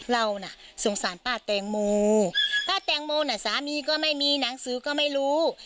เราน่ะสงสารป้าแตงโมป้าแตงโมน่ะสามีก็ไม่มีหนังสือก็ไม่รู้